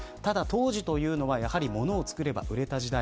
当時というのは、やはりものをつくれば売れた時代。